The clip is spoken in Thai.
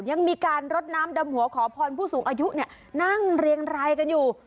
ยังมีการรดน้ำดำหัวขอพรผู้สูงอายุเนี่ยนั่งเรียงรายกันอยู่